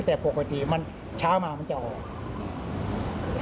แต่ปกติมันเช้ามามันจะออก